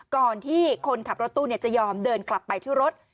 ก่อนที่คนขับรถตู้จะยอมเดินกลับไปที่รถ